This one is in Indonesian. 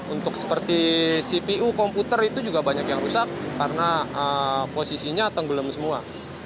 untuk seperti cpu komputer itu juga banyak yang rusak karena posisinya tenggelam semua